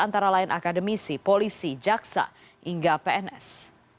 antara lain akademisi polisi jaksa hingga pns